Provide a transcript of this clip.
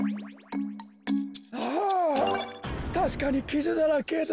あたしかにキズだらけだ。